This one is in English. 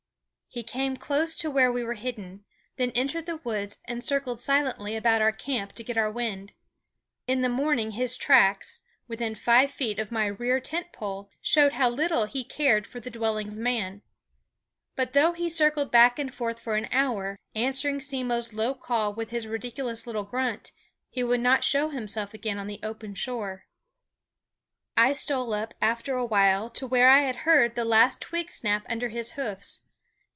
He came close to where we were hidden, then entered the woods and circled silently about our camp to get our wind. In the morning his tracks, within five feet of my rear tent pole, showed how little he cared for the dwelling of man. But though he circled back and forth for an hour, answering Simmo's low call with his ridiculous little grunt, he would not show himself again on the open shore. I stole up after a while to where I had heard the last twig snap under his hoofs.